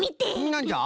なんじゃ？